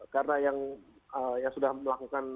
karena yang sudah melakukan